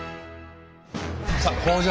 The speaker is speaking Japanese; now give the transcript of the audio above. さあ工場。